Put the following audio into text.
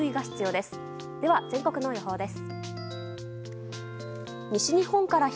では全国の予報です。